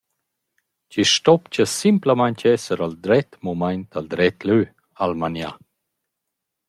Chi’s stopcha simplamaing esser al dret mumaint al dret lö, ha’l manià.